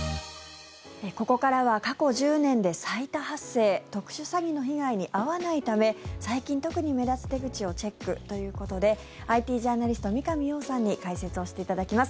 ここからは過去１０年で最多発生特殊詐欺の被害に遭わないため最近特に目立つ手口をチェックということでＩＴジャーナリスト三上洋さんに解説をしていただきます。